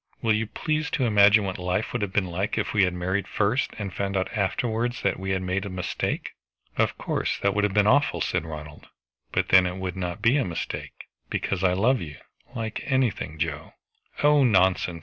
Will you please to imagine what life would have been like if we had married first, and found out afterwards that we had made a mistake." "Of course that would have been awful," said Ronald. "But then it would not be a mistake, because I love you like anything, Joe!" "Oh, nonsense!